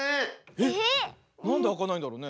えっなんであかないんだろうね？